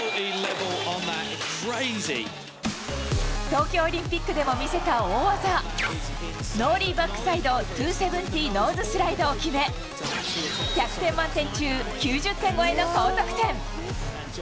東京オリンピックでも見せた大技、ノーリーバックサイド２７０ノーズスライドを決め、１００点満点中９０点超えの高得点。